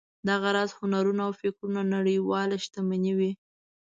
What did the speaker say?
دغه راز هنرونه او فکرونه نړیواله شتمني وي.